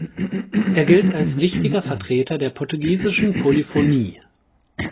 Er gilt als wichtiger Vertreter der "Portugiesischen Polyphonie".